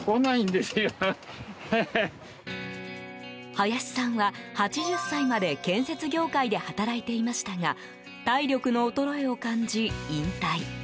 林さんは８０歳まで建設業界で働いていましたが体力の衰えを感じ、引退。